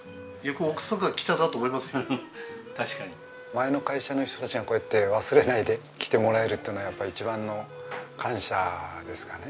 前の会社の人たちがこうやって忘れないで来てもらえるっていうのは一番の感謝ですかね